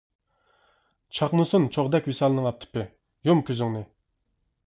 چاقنىسۇن چوغدەك ۋىسالنىڭ ئاپتىپى، يۇم كۆزۈڭنى!